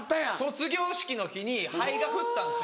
卒業式の日に灰が降ったんですよ。